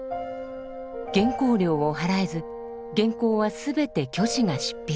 原稿料を払えず原稿は全て虚子が執筆。